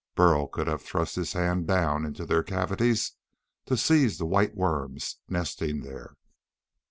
Burl could have thrust his hand down into their cavities to seize the white worms nesting there.